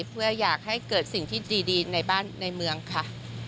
เพื่ออยากให้เกิดสิ่งที่ดีในเมืองค่ะ